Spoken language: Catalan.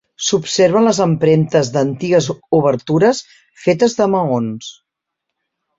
S'observen les empremtes d'antigues obertures fetes de maons.